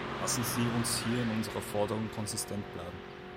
Lassen Sie uns hier in unserer Forderung konsistent bleiben.